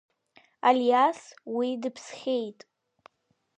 Алиас, уи дыԥсхьеит.